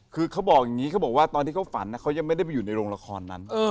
คือเขาบอกอย่างนี้เขาบอกว่าตอนที่เขาฝันเขายังไม่ได้ไปอยู่ในโรงละครนั้น